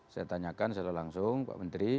saya tanyakan secara langsung pak menteri